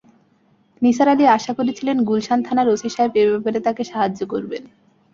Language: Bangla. নিসার আলি আশা করেছিলেন গুলশান থানার ওসি সাহেব এ-ব্যাপারে তাঁকে সাহায্য করবেন।